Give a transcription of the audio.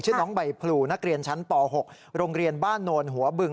ชื่อน้องใบพลูนักเรียนชั้นป๖โรงเรียนบ้านโนนหัวบึง